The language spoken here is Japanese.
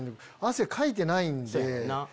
汗かいてないんで。